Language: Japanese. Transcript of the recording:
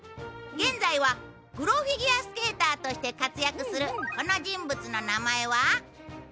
現在はプロフィギュアスケーターとして活躍するこの人物の名前は？